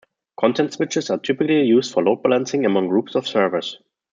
Content switches are typically used for load balancing among groups of servers.